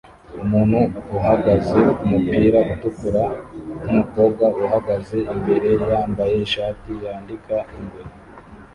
Umuntu uhagaze kumupira utukura numukobwa uhagaze imbere yambaye ishati yandika ingwe